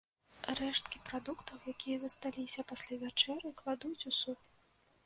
Рэшткі прадуктаў, якія засталіся пасля вячэры, кладуць у суп.